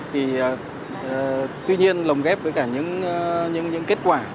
thì tuy nhiên lồng ghép với cả những kết quả